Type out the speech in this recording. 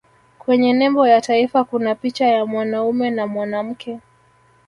kwenye nembo ya taifa kuna picha ya mwanaume na mwanamke